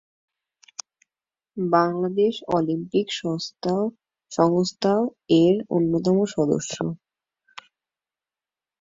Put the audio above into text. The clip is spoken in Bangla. বাংলাদেশ অলিম্পিক সংস্থাও এর অন্যতম সদস্য।